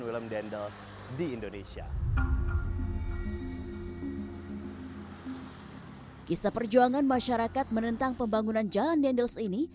willem dendels di indonesia kisah perjuangan masyarakat menentang pembangunan jalan dendels ini